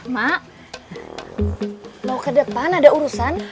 mak mau ke depan ada urusan